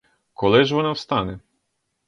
Коли ж вона встане?